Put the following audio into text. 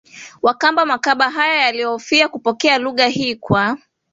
Wakamba Makaba haya yaliofia kupokea lugha hii kwa